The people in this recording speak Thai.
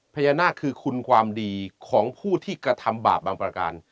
พญานาคคือคุณความดีของผู้ที่กระทำบาปบางประการ